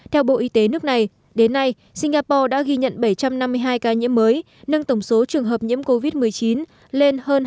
theo bộ y tế nước này đến nay singapore đã ghi nhận bảy trăm năm mươi hai ca nhiễm mới nâng tổng số trường hợp nhiễm covid một mươi chín lên hơn hai mươi